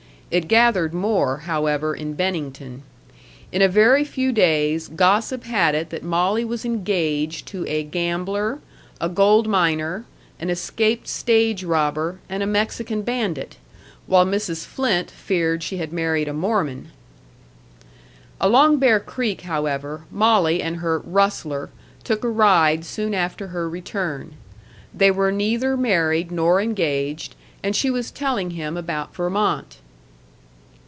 It gathered more, however, in Bennington. In a very few days, gossip had it that Molly was engaged to a gambler, a gold miner, an escaped stage robber, and a Mexican bandit; while Mrs. Flynt feared she had married a Mormon. Along Bear Creek, however, Molly and her "rustler" took a ride soon after her return. They were neither married nor engaged, and she was telling him about Vermont.